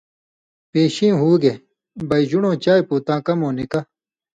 ”پیشیں ہُوگے، بئ ژُن٘ڑوں چائ پُو تاں کمؤں نِکہ“